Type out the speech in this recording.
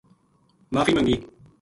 معافی منگی